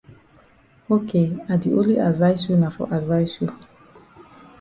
Ok I di only advice you na for advice you.